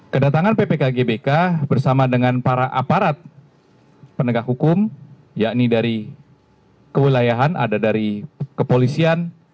kedatangan ppk gbk bersama dengan para aparat penegak hukum yakni dari kewilayahan ada dari kepolisian